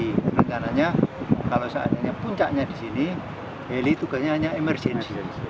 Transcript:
karena kalau seandainya puncaknya di sini heli tuganya hanya emersensi